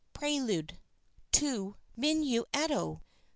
PRELUDE 2. MINUETTO 3.